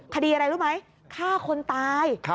คดีอะไรรู้ไหมฆ่าคนตาย